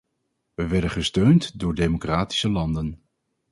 We werden gesteund door democratische landen.